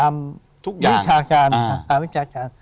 มีพิจารณ์